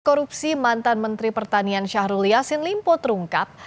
korupsi mantan menteri pertanian syahrul yassin limpo terungkap